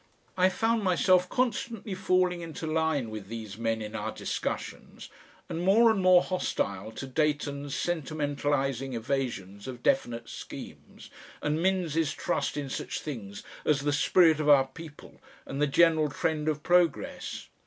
I found myself constantly falling into line with these men in our discussions, and more and more hostile to Dayton's sentimentalising evasions of definite schemes and Minns' trust in such things as the "Spirit of our People" and the "General Trend of Progress."